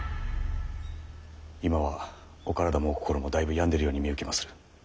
今はお体もお心もだいぶ病んでるように見受けまする。